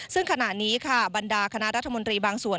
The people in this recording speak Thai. ซึ่งขณะนี้ค่ะบรรดาคณะรัฐมนตรีบางส่วน